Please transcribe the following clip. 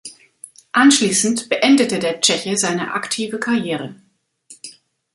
Anschließend beendete der Tscheche seine aktive Karriere.